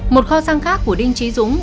một kho xăng khác của đinh trí dũng